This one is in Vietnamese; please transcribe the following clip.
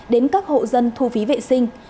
đến các hộ dân thu phí vệ sinh